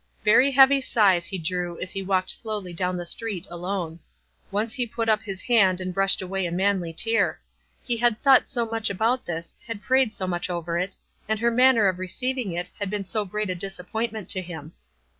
Very heavy sighs he drew as he walked slowly down the street, alone. Once he put up his hand and brushed away a manly tear. He had thought so much about this, had prayed so much over it, and her manner of receiving it had been so great a disappointment to him.